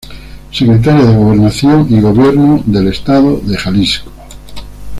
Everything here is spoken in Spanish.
Secretaría de Gobernación y Gobierno del Estado de Jalisco.